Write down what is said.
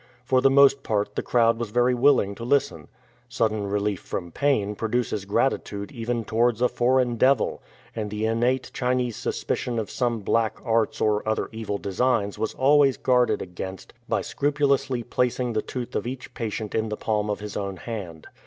For the most part the crowd was very willing to listen. Sudden relief from pain produces gratitude even towards a "foreign devil,"" and the innate Chinese suspicion of some black arts or other evil designs was always guarded against by scrupulously placing the tooth of each patient in the palm of his own hand.